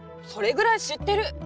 それぐらい知ってる！